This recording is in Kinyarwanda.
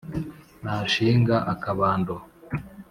nashinga akabando